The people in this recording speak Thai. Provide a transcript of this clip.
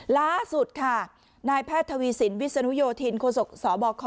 ล่าสุดค่ะนายแพทย์ทวีสินวิศนุโยธินโคศกสบค